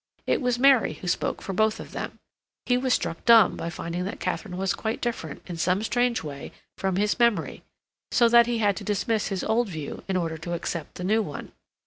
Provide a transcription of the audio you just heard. It was Mary who spoke for both of them. He was struck dumb by finding that Katharine was quite different, in some strange way, from his memory, so that he had to dismiss his old view in order to accept the new one.